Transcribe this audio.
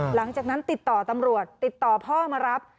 หลังจากนั้นติดต่อตำรวจติดต่อพ่อมารับ